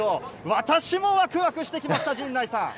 私もわくわくしてきました、陣内さん。